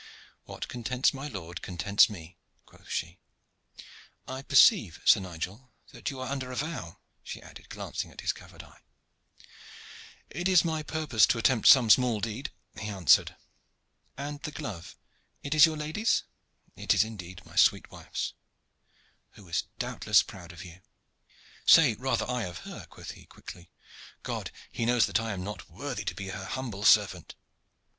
"What contents my lord contents me," quoth she. "I perceive, Sir Nigel, that you are under vow," she added, glancing at his covered eye. "It is my purpose to attempt some small deed," he answered. "And the glove is it your lady's?" "It is indeed my sweet wife's." "Who is doubtless proud of you." "Say rather I of her," quoth he quickly. "God He knows that I am not worthy to be her humble servant.